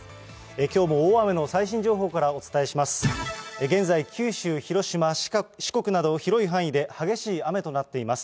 きょうも大雨の最新情報からお伝えします。